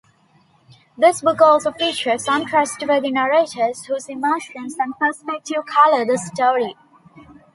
This book also features "untrustworthy narrators" whose emotions and perspective colour the story.